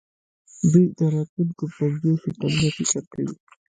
دوی د راتلونکو پنځوسو کلونو فکر کوي.